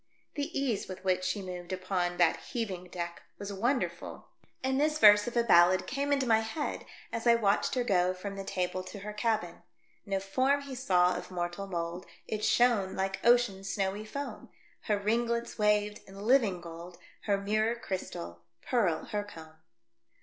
The ease with which she moved upon that heaving deck was wonderful, and this I AM SHOWN A PRESENT FOR .MARGARETIIA. T29 verse of a ballad cams into my head as I watched her go from the table to her cabin —•' No form he saw of mortal mould, It shone like ocean's snowy foam ; Her ringlets waved in living gold, Her mirror crj'stal, pearl her comb."